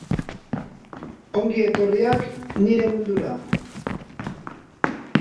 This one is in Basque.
Ongi etorriak nire mundura.